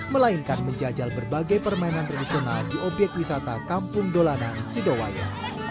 melainkan menjajal berbagai permainan tradisional di obyek wisata kampung dolanan sidowaya